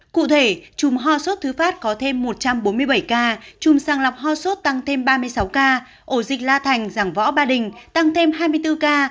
cụ thể chùm ho sốt thứ phát có thêm một trăm bốn mươi bảy ca trùm sàng lọc ho sốt tăng thêm ba mươi sáu ca ổ dịch la thành giảng võ ba đình tăng thêm hai mươi bốn ca